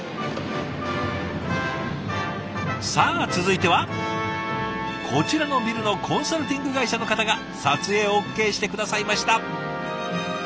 さあ続いてはこちらのビルのコンサルティング会社の方が撮影ＯＫして下さいました。